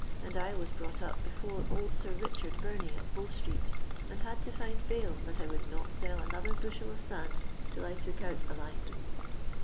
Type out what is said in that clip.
and I was brought up befiiri old Sir Richard Bimie, at Bow street, and had to find bail that I would not sell another bushel of send till I took out a licence.